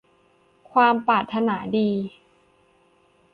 ความปรารถนาดี